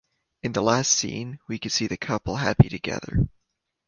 In the last scene we can see the couple happy together.